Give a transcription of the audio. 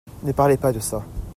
Ne parlez pas de ça.